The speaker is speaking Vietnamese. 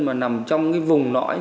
mà nằm trong vùng nõi